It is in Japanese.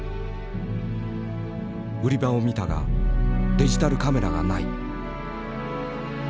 売り場を見たがデジタルカメラがない。